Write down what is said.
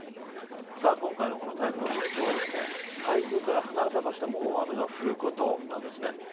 今回の台風の特徴は台風から離れた場所でも大雨が降ることなんですね。